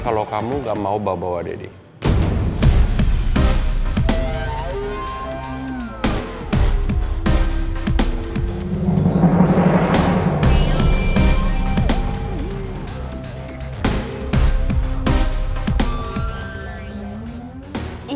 kalau kamu gak mau bawa bawa deddy